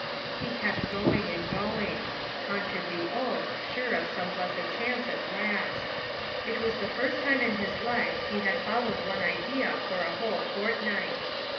He kept going and going haunted the oak, sure of some blessed chance at last. It was the first time in his life he had followed one idea for a whole fortnight.